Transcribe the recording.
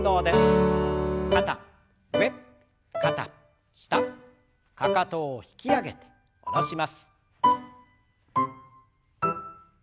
かかとを引き上げて下ろします。